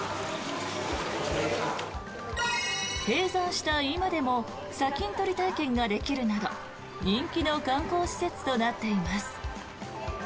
閉山した今でも砂金採り体験ができるなど人気の観光施設となっています。